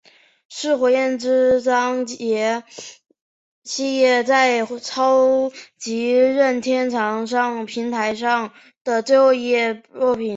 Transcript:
是火焰之纹章系列在超级任天堂平台上的最后一部作品。